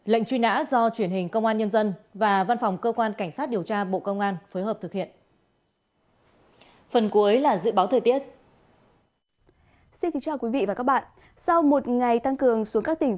lệnh truy nã do truyền hình công an nhân dân và văn phòng cơ quan cảnh sát điều tra bộ công an phối hợp thực hiện